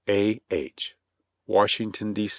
A. H. Washington, D.